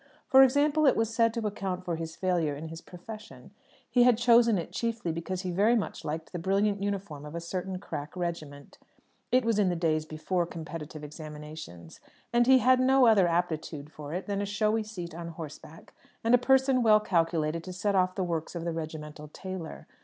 For example, it was said to account for his failure in his profession. He had chosen it chiefly because he very much liked the brilliant uniform of a certain crack regiment (it was in the days before competitive examinations); and he had no other aptitude for it than a showy seat on horseback, and a person well calculated to set off the works of the regimental tailor.